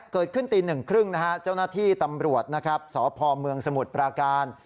เกิดขึ้นครั้งสามก็เจอสหภาพฯวิวาส